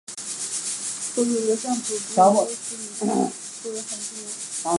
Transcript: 所属的相扑部屋是出羽海部屋。